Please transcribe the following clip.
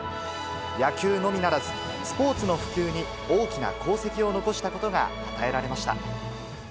野球のみならず、スポーツの普及に大きな功績を残したことがたたえられました。